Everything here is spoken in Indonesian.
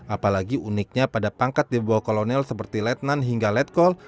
apalagi uniknya pada pangkat di bawah kolonel seperti letnan hingga letkol